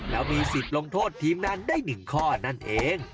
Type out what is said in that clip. แล้วมีสิทธิ์ลงโทษทีมงานได้๑ข้อนั่นเอง